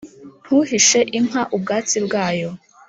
ntuhishe inka ubwatsi bwayo